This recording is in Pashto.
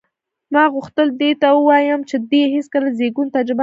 ما غوښتل دې ته ووایم چې دې هېڅکله د زېږون تجربه نه ده کړې.